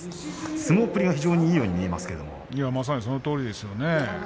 相撲っぷりが非常にいいようにまさにそのとおりですよね。